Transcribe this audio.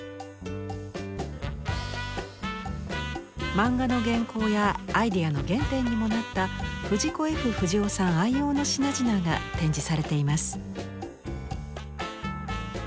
漫画の原稿やアイデアの原点にもなった藤子・Ｆ・不二雄さん愛用の品々が展示されています。